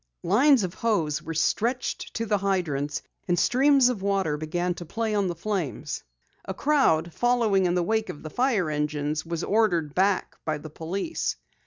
Lines of hose were stretched to the hydrants, and streams of water began to play on the flames. A crowd, following in the wake of the fire engines, was ordered back by the police.